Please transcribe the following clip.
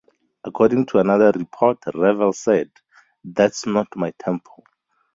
According to another report Ravel said "That's not my tempo".